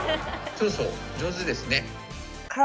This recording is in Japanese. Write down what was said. そうそう上手ですね。